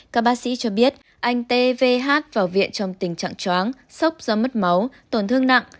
các bác sĩ cho biết anh t v h vào viện trong tình trạng chóng sốc do mất máu tổn thương nặng